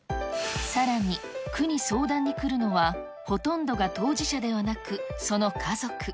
さらに区に相談に来るのは、ほとんどが当事者ではなくその家族。